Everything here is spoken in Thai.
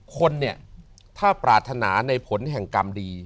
คนเนี่ยถ้าปรารถนาในผลแห่งกรรมดี